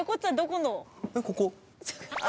ここ。